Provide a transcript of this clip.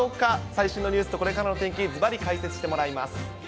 最新のニュースとこれからの天気、ずばり解説してもらいます。